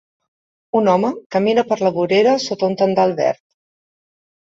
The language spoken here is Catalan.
Un home camina per la vorera sota un tendal verd.